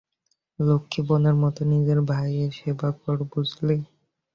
লক্ষ্মী বোনের মত নিজের ভাইয়ের সেবা কর, বুঝলি?